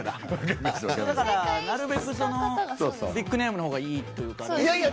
なるべくビッグネームのほうがいいというか。